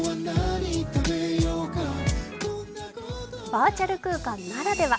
バーチャル空間ならでは。